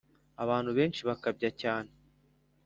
abantu benshi bakabya cyane.